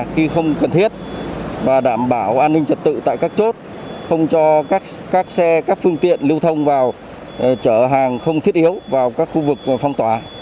khi không cần thiết và đảm bảo an ninh trật tự tại các chốt không cho các xe các phương tiện lưu thông vào trở hàng không thiết yếu vào các khu vực phong tỏa